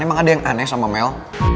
emang ada yang aneh sama mel